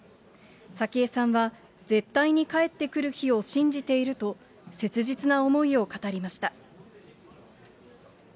早紀江さんは、絶対に帰ってくる日を信じていると、切実な思いを語りました。